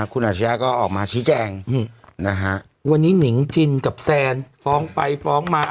คุณอาชญาก็ออกมาชี้แจงนะฮะวันนี้หนิงจินกับแซนฟ้องไปฟ้องมา